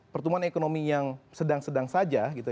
pertumbuhan ekonomi yang sedang sedang saja gitu